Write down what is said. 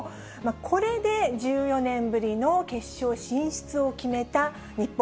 これで１４年ぶりの決勝進出を決めた日本。